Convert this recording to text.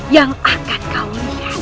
yang akan kau lihat